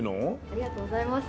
ありがとうございます。